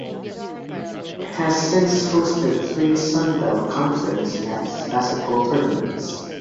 It has since hosted three Sun Belt Conference men's basketball tournaments.